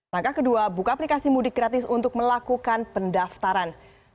langkah kedua buka aplikasi mudik gratis untuk melakukan pendaftaran